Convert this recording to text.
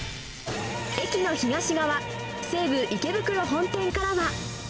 駅の東側、西武池袋本店からは。